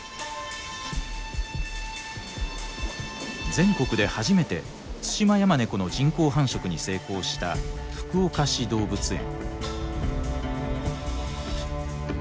全国で初めてツシマヤマネコの人工繁殖に成功した福岡市動物園。